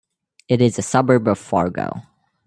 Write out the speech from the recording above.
It is a suburb of Fargo.